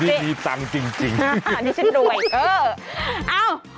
คุณดีตังค์จริงค่ะนี่ฉันรวยเอออ้าว